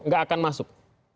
nggak akan masuk